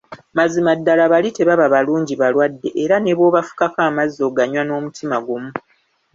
Mazima ddala bali tebaba balungi balwadde, era ne bw’obafukako amazzi oganywa n’omutima gumu !